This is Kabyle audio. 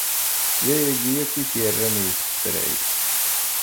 D ayagi akk i t-yerran yessefray.